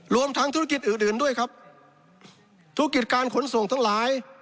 รวมทั้งธุรกิจอื่นอื่นด้วยครับธุรกิจการขนส่งทั้งหลาย